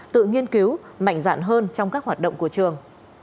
tự nghiên cứu mạnh dạn hơn trong các hoạt động của trường